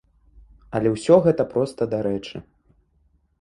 Але ўсё гэта проста дарэчы.